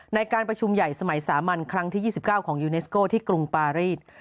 ในการประชุมใหญ่สมัยสามัญครั้งที่๒๙ของยูเนสโก้ที่กรุงปารีส